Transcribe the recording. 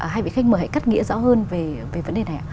hai vị khách mời hãy cắt nghĩa rõ hơn về vấn đề này ạ